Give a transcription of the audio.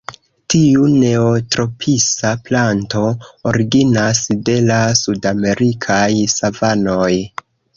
Tiu neotropisa planto originas de la sudamerikaj savanoj.